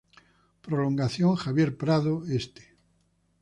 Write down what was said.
Prolongación Javier Prado Este.